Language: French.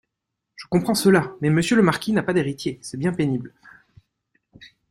Je comprends cela ; mais monsieur le marquis n'a pas d'héritier, c'est bien pénible.